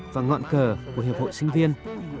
và ngọn cờ của hiệp hội sinh viên